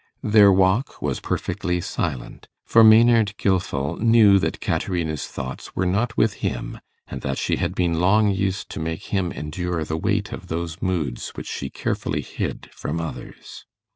Their walk was perfectly silent, for Maynard Gilfil knew that Caterina's thoughts were not with him, and she had been long used to make him endure the weight of those moods which she carefully hid from others.